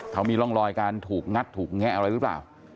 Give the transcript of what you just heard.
เขามีร่องรอยการถูกงัดถูกแงะอะไรหรือเปล่า